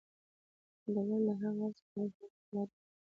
د بل د حق غصب کول غلط دي.